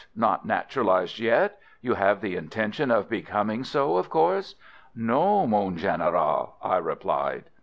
not naturalised yet! You have the intention of becoming so, of course?" "No, mon Général," I replied.